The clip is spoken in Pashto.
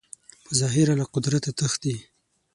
په ظاهره له قدرته تښتي